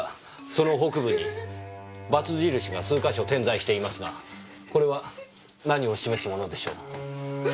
その北部にバツ印が数か所点在していますがこれは何を示すものでしょう？